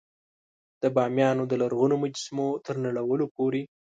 د بامیان د لرغونو مجسمو تر نړولو پورې.